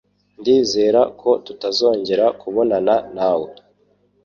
Ndizera ko tuzongera kubonana nawe.